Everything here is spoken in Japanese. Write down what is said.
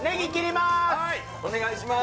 お願いします。